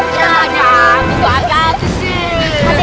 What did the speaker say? pasti itu mau dipecat ah